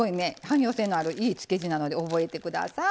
汎用性のあるいい漬け地なので覚えてください。